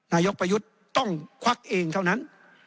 นายกประยุทธ์ต้องควักเองเท่านั้น